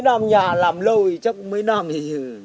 mấy năm nhà làm lâu thì chắc mấy năm thì